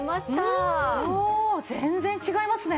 おお全然違いますね。